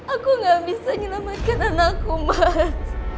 aku gak bisa nyelamatkan anakku mas